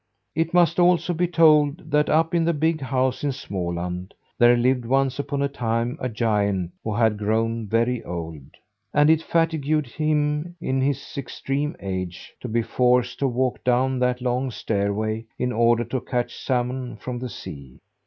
It must also be told that up in the big house in Småland there lived once upon a time a giant, who had grown very old. And it fatigued him in his extreme age, to be forced to walk down that long stairway in order to catch salmon from the sea.